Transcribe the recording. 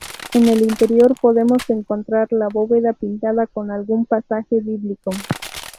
En el interior podemos encontrar la bóveda pintada con algún pasaje bíblico.